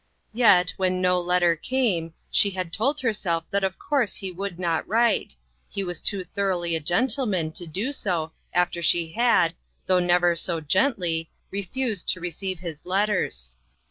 Yet when no letter came, she had told herself that of course he would not write ; he was too thoroughly a gentleman to do so after she had, though never so gently, refused to receive his letters.